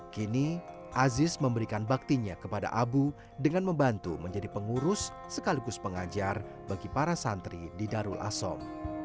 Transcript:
kini aziz memberikan baktinya kepada abu dengan membantu menjadi pengurus sekaligus pengajar bagi para santri di darul asom